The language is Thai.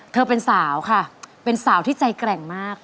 เธอเป็นสาวค่ะเป็นสาวที่ใจแกร่งมาก